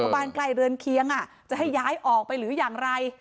บ้านใกล้เรือนเคียงจะให้ย้ายออกไปหรืออย่างไร